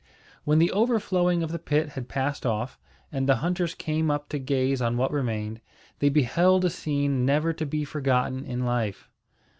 When the overflowing of the pit had passed off, and the hunters came up to gaze on what remained, they beheld a scene never to be forgotten in life.